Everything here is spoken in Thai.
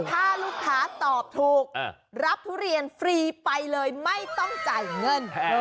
ถ้าลูกค้าตอบถูกรับทุเรียนฟรีไปเลยไม่ต้องจ่ายเงิน